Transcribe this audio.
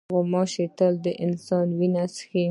غوماشې تل د انسان وینه څښي.